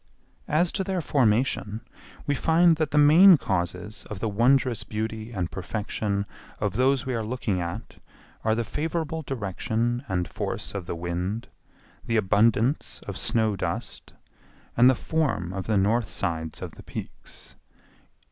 As to their formation, we find that the main causes of the wondrous beauty and perfection of those we are looking at are the favorable direction and force of the wind, the abundance of snow dust, and the form of the north sides of the peaks.